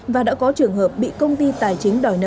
và đã có trường hợp bị công ty tài chính đòi nợ